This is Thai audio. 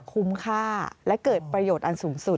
คุ้มค่าและเกิดประโยชน์อันสูงสุด